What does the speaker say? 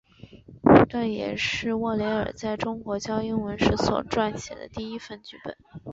这也是沃雷尔在中国教英文时所撰写的第一份剧本。